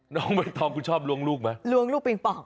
น้องใบตองคุณชอบล้วงลูกไหมล้วงลูกปิงปอง